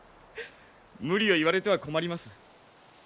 無理を言われては困ります。